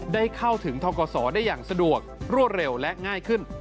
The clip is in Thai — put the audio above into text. ได้เข้าถึงทกศได้อย่างสะดวกรวดเร็วและง่ายขึ้น